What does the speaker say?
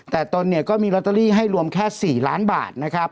แต่ตนเนี่ยก็มีลอตเตอรี่ให้รวมแค่๔ล้านบาทนะครับ